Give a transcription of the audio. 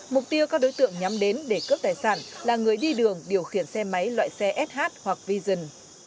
mục tiêu các đối tượng nhắm đến để cướp tài sản là người đi đường điều khiển xe máy loại xe sh hoặc vision